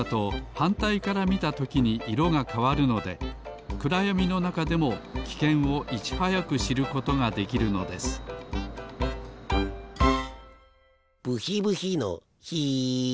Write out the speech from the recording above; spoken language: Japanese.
はんたいからみたときに色がかわるのでくらやみのなかでもきけんをいちはやくしることができるのですブヒブヒのヒ！